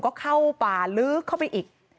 ก็เข้าป่าลึกเข้าไปอีก